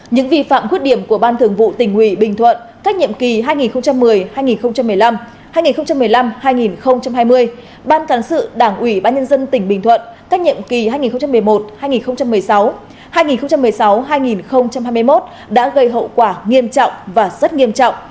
những vi phạm khuất điểm của ban thường vụ tỉnh ubnd nhiệm kỳ hai nghìn một mươi hai nghìn một mươi năm và nhiệm kỳ hai nghìn một mươi năm hai nghìn hai mươi ban cán sự đảng ubnd tỉnh ubnd nhiệm kỳ hai nghìn một mươi một hai nghìn một mươi sáu và nhiệm kỳ hai nghìn một mươi sáu hai nghìn hai mươi một đã gây hậu quả nghiêm trọng và nghiêm trọng